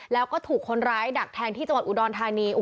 แล้วก็ถูกคนร้ายดักแทงที่จังหวัดอุดรธานี